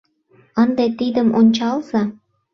Ынде тидым ончалза.